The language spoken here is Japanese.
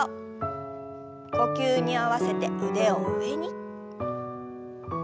呼吸に合わせて腕を上に。